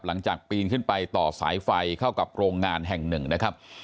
ปีนขึ้นไปต่อสายไฟเข้ากับโรงงานแห่งหนึ่งนะครับ